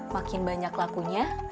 makin banyak lakunya